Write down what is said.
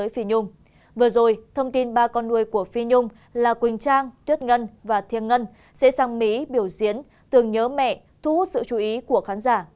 vừa rồi thông tin ba con nuôi của phi nhung là quỳnh trang tuyết ngân và thiêng ngân sẽ sang mỹ biểu diễn tưởng nhớ mẹ thu hút sự chú ý của khán giả